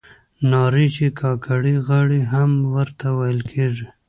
نارې چې کاکړۍ غاړې هم ورته ویل کیږي.